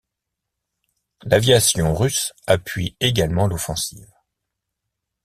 L'aviation russe appuie également l'offensive.